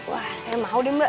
wah saya mau nih mbak